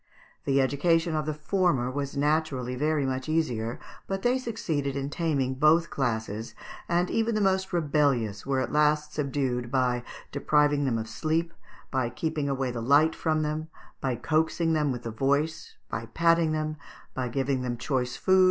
The education of the former was naturally very much the easier, but they succeeded in taming both classes, and even the most rebellious were at last subdued by depriving them of sleep, by keeping away the light from them, by coaxing them with the voice, by patting them, by giving them choice food, &c.